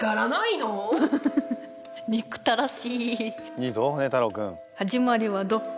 いいぞホネ太郎君。